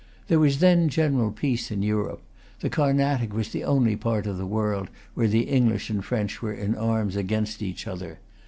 There was then general peace in Europe. The Carnatic was the only part of the world where the English and French were in arms against each other.